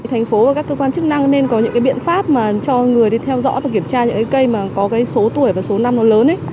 thành phố và các cơ quan chức năng nên có những biện pháp cho người theo dõi và kiểm tra những cây có số tuổi và số năm lớn